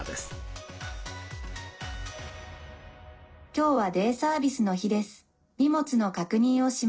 「今日はデイサービスの日です。